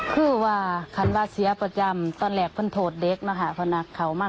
ถึงว่าตอนแซว่เป็นที่ฝ้าไม้